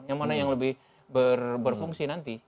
yang mana yang lebih berfungsi nanti